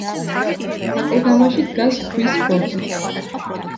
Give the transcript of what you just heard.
აკლდამაში დგას ქვის ბოძი.